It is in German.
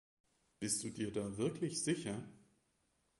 Bist du dir da wirklich sicher?